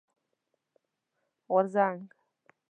غورځنګ